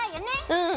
うん。